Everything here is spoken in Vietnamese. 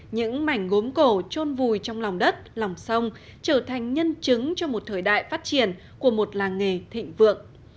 những mảnh gốm cổ trôn vùi trong lòng đất lòng sông trở thành nhân chứng cho một thời đại phát triển của một làng nghề thịnh vượng